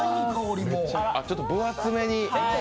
ちょっと分厚めに。